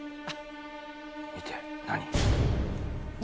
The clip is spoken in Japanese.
見て、何？